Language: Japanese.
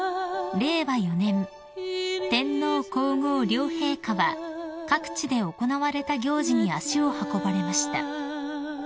［令和４年天皇皇后両陛下は各地で行われた行事に足を運ばれました］